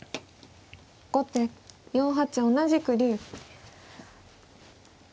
後手４八同じく竜。